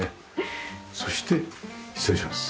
そして失礼します。